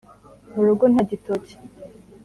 mu rugo nta gitoki